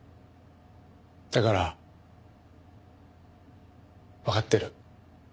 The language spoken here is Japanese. だからわかってる。